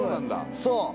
そう。